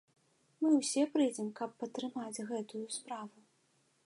Мы ўсе прыйдзем, каб падтрымаць гэтую справу.